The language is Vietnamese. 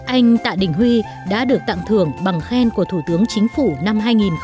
anh tạ đình huy đã được tặng thưởng bằng khen của thủ tướng chính phủ năm hai nghìn một mươi